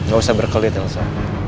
gak usah berkelit elsa